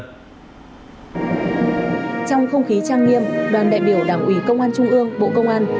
trong không khí trang nghiêm đoàn đại biểu đảng ủy công an trung ương bộ công an